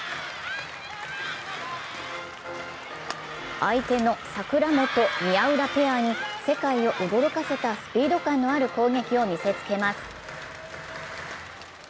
相手の櫻本・宮浦ペアに世界を驚かせたスピード感のある攻撃を見せつけます。